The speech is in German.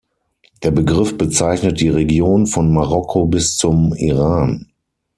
Der Begriff bezeichnet die Region von Marokko bis zum Iran.